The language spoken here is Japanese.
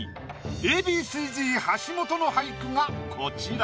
Ａ．Ｂ．ＣーＺ橋本の俳句がこちら。